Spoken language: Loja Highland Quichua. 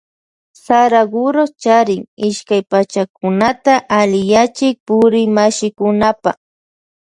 Saraguro charin ishkay pakchakunata alliyachin purikmashikunapa.